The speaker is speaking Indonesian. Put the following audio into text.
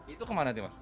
itu kemana nih mas